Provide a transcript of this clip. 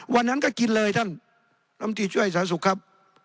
วันนั้นก็กินเลยท่านลำตีช่วยสาธารณสุขครับ